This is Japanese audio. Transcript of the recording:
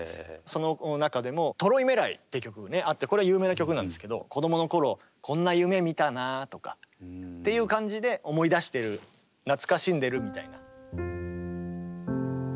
その中でも「トロイメライ」って曲があってこれは有名な曲なんですけど子供の頃こんな夢見たなとかっていう感じで思い出してる懐かしんでるみたいな。